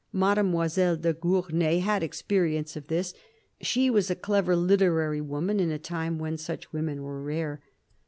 Mademoiselle de Gournay had experience of this. She was a clever literary woman in a time when such women were rare.